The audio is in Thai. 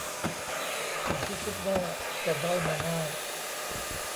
สิ่งที่คิดว่าจะได้มาง่าย